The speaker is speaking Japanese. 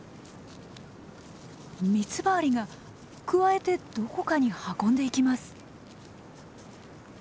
ミツバアリがくわえてどこかに運んでいきます。